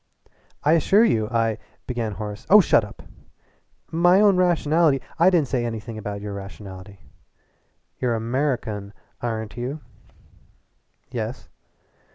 "I assure you I " began Horace. "Oh shut up!" "My own rationality " "I didn't say anything about your nationality. You're Amuricun, ar'n't you?" "Yes."